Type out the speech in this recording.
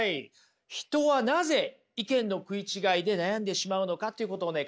人はなぜ意見の食い違いで悩んでしまうのかっていうことをね